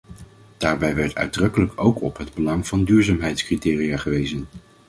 Daarbij werd uitdrukkelijk ook op het belang van duurzaamheidscriteria gewezen.